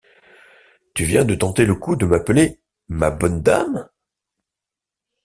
Tu viens de tenter le coup de m'appeler «ma bonne dame.